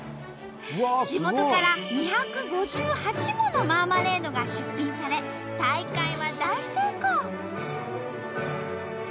地元から２５８ものマーマレードが出品され大会は大成功！